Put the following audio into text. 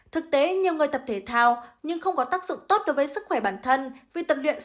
thực tế nhiều người tập thể thao nhưng không có tác dụng tốt đối với sức khỏe bản thân vì tập luyện